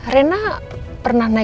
kan ada kalimat basa baska